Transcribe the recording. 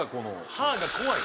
歯が怖い。